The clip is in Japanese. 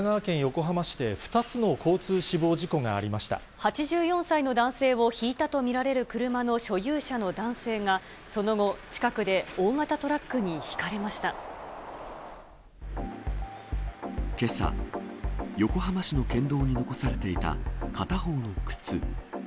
８４歳の男性をひいたと見られる車の所有者の男性が、その後、近くで大型トラックにひかれましけさ、横浜市の県道に残されていた片方の靴。